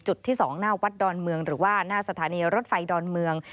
จุดที่๒หน้าวัดดอนเมืองหรือว่าหน้าสถานีรถไฟดอนเมือง